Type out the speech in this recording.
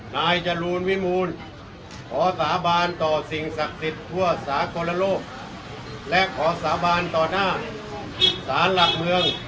นายจรูลวิมูลขอสาบานต่อสิ่งศักดิ์สิทธิ์ทั่วสากลโลกและขอสาบานต่อหน้าศาลหลักเมือง